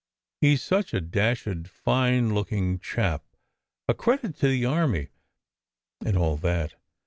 He s such a dashed fine looking chap, a credit to the army, and all that.